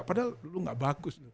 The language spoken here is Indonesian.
padahal lu gak bagus